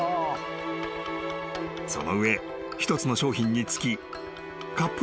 ［その上１つの商品につき］